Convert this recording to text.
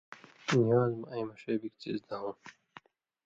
نِوان٘ز مہ اَیں مہ ݜے بِگ څیز دھؤں